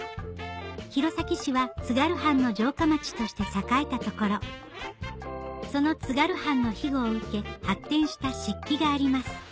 弘前市は津軽藩の城下町として栄えた所その津軽藩の庇護を受け発展した漆器があります